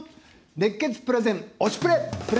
熱血プレゼン「推しプレ！」。